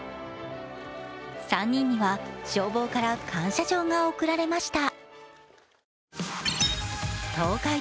３人には消防から感謝状が贈られました。